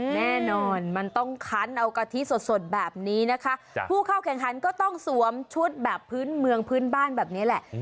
แน่นอนมันต้องคันเอากะทิสดแบบนี้นะคะผู้เข้าแข่งขันก็ต้องสวมชุดแบบพื้นเมืองพื้นบ้านแบบนี้แหละ